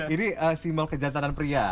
ini simbol kejantanan pria